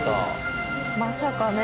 まさかね。